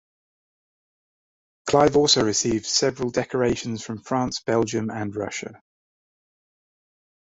Clive also received several decorations from France, Belgium and Russia.